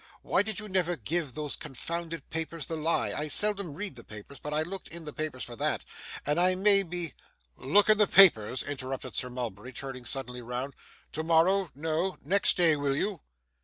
Why did you never give those confounded papers the lie? I seldom read the papers, but I looked in the papers for that, and may I be ' 'Look in the papers,' interrupted Sir Mulberry, turning suddenly round, 'tomorrow no, next day, will you?